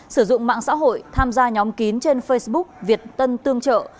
sử dụng mạng xã hội tham gia nhóm kín trên facebook việt tân tương trợ